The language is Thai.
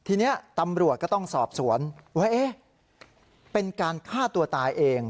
ทีนี้ตำรวจก็ต้องสอบสวนว่าเอ๊ะเป็นการฆ่าตัวตายเอง